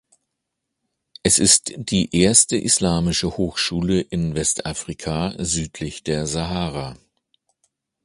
Es ist die erste Islamische Hochschule in Westafrika südlich der Sahara.